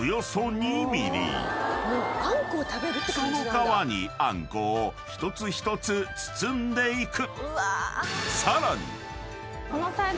［その皮にあんこを一つ一つ包んでいく］